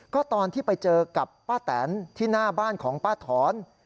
ก็ตอนที่ไปเจอกับป้าแตนที่หน้าบ้านของป้าถอน